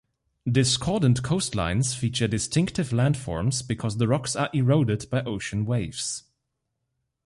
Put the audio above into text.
Discordant coastlines feature distinctive landforms because the rocks are eroded by ocean waves.